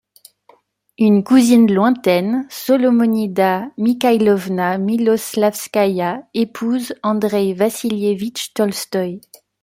Une cousine lointaine, Solomonida Mikhaïlovna Miloslavskaïa, épouse Andreï Vassilievitch Tolstoï.